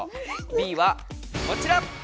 Ｂはこちら！